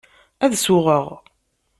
Ad suɣeɣ.